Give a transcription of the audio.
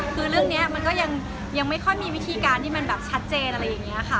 คือเรื่องนี้มันก็ยังไม่ค่อยมีวิธีการที่มันแบบชัดเจนอะไรอย่างนี้ค่ะ